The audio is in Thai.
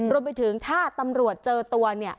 รวมไปถึงถ้าตำรวจเจอตัวเนี่ย